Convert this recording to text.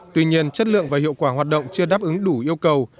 tuy nhiên chất lượng và hiệu quả hoạt động chưa đáp ứng đủ yêu cầu